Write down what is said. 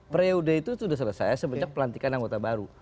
periode itu sudah selesai semenjak pelantikan anggota baru